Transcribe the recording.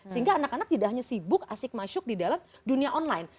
sehingga anak anak tidak hanya sibuk asik masuk di dalam dunia online